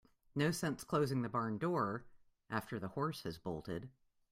No sense closing the barn door after the horse has bolted.